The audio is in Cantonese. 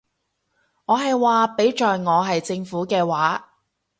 我係話，畀在我係政府嘅話